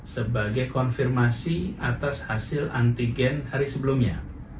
sebagai konfirmasi atas hasil antigen hari sebelumnya